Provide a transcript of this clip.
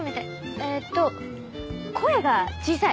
えっと声が小さい。